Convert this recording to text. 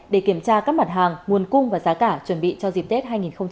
để kiểm tra các mặt hàng nguồn cung và giá cả chuẩn bị cho dịp tết hai nghìn hai mươi